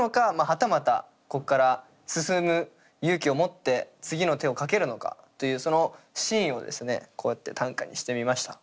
はたまたここから進む勇気を持って次の手を掛けるのかというそのシーンをですねこうやって短歌にしてみました。